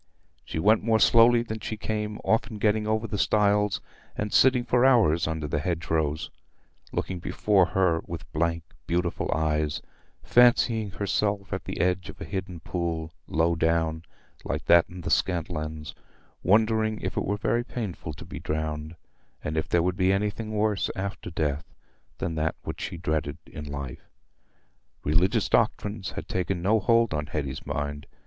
She went more slowly than she came, often getting over the stiles and sitting for hours under the hedgerows, looking before her with blank, beautiful eyes; fancying herself at the edge of a hidden pool, low down, like that in the Scantlands; wondering if it were very painful to be drowned, and if there would be anything worse after death than what she dreaded in life. Religious doctrines had taken no hold on Hetty's mind.